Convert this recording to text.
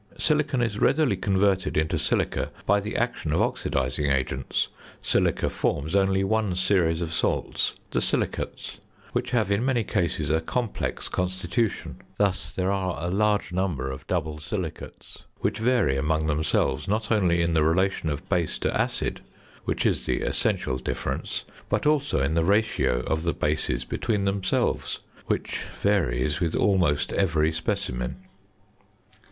Silicon is readily converted into silica by the action of oxidizing agents. Silica forms only one series of salts the silicates which have in many cases a complex constitution; thus there are a large number of double silicates, which vary among themselves, not only in the relation of base to acid (which is the essential difference), but also in the ratio of the bases between themselves (which varies with almost every specimen).